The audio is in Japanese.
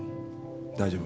大丈夫。